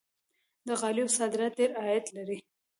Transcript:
د غالیو صادرات ډیر عاید لري.